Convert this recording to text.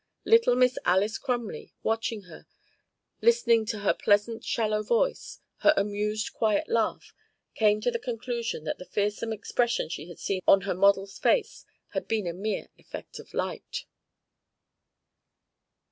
Little Miss Alys Crumley, watching her, listening to her pleasant shallow voice, her amused quiet laugh, came to the conclusion that the fearsome expression she had seen on her model's face had been a mere effect of light.